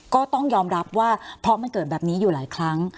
ก็ต้องยอมรับว่าเพราะมันเกิดแบบนี้อยู่หลายครั้ง